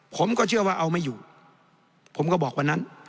ผมก็เชื่อว่าเอาไม่อยู่ผมก็บอกวันนั้น